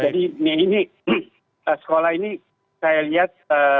jadi ini sekolah ini saya lihat